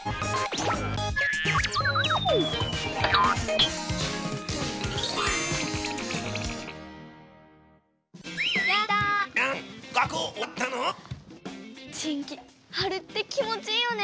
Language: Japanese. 新がっきはるってきもちいいよね。